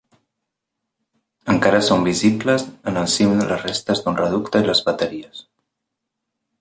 Encara són visibles en el cim les restes d'un reducte i les bateries.